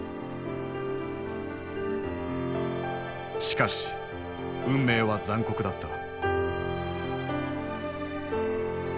しかし運命は残酷だった。